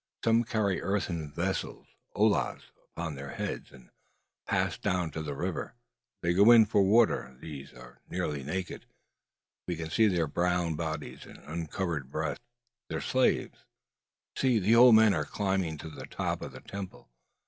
Some carry earthen vessels, ollas, upon their heads, and pass down to the river. They go in for water. These are nearly naked. We can see their brown bodies and uncovered breasts. They are slaves. See! the old men are climbing to the top of the temple.